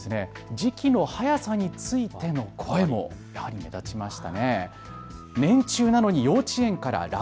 時期の早さについての声も目立ちました。